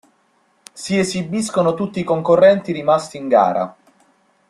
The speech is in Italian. Si esibiscono tutti i concorrenti rimasti in gara.